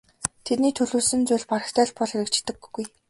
Тэдний төлөвлөсөн зүйл барагтай л бол хэрэгждэггүй.